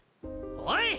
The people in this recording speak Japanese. おい！